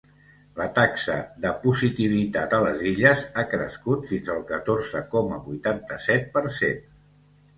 La taxa de positivitat a les Illes ha crescut fins al catorze coma vuitanta-set per cent.